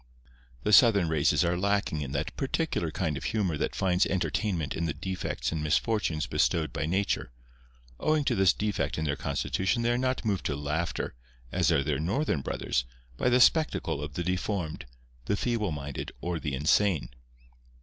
The southern races are lacking in that particular kind of humour that finds entertainment in the defects and misfortunes bestowed by Nature. Owing to this defect in their constitution they are not moved to laughter (as are their northern brothers) by the spectacle of the deformed, the feeble minded or the insane.